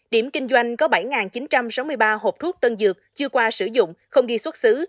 điểm kinh doanh có bảy chín trăm sáu mươi ba hộp thuốc tân dược chưa qua sử dụng không ghi xuất xứ